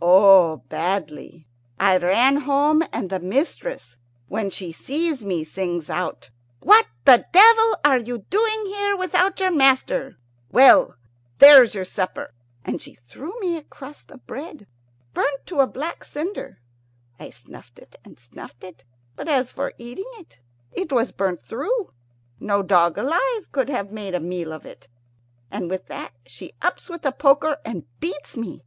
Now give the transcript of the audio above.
"Oh, badly. I ran home, and the mistress, when she sees me, sings out, 'What the devil are you doing here without your master? Well, there's your supper;' and she threw me a crust of bread, burnt to a black cinder. I snuffed it and snuffed it, but as for eating it, it was burnt through. No dog alive could have made a meal of it. And with that she ups with a poker and beats me.